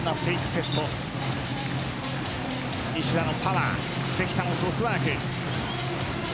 セット西田のパワー、関田のトスワーク。